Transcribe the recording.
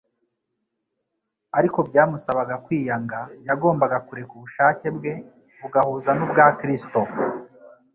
Ariko byamusabaga kwiyanga; yagombaga kureka ubushake bwe bugahuza n'ubwa Kristo.